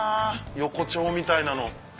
横町みたいなの。